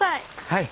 はい。